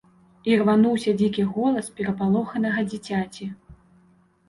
Ірвануўся дзікі голас перапалоханага дзіцяці.